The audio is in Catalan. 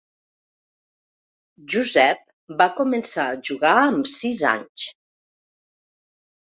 Joseph va començar a jugar amb sis anys.